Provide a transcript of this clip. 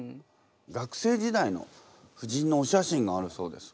学生時代の夫人のお写真があるそうです。